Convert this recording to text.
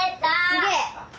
・すげえ！